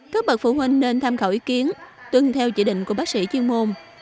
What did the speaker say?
các bậc phụ huynh nên tham khảo ý kiến tuân theo chỉ định của bác sĩ chuyên môn